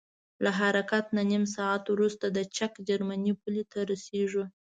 له حرکت نه نیم ساعت وروسته د چک جرمني پولې ته رسیږو.